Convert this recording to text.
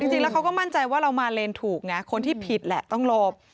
จริงแล้วเขาก็มั่นใจว่าเรามาเลนถูกไงคนที่ผิดแหละต้องหลบ